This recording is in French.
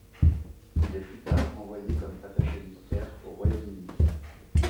Il est plus tard envoyé comme attaché militaire au Royaume-Uni.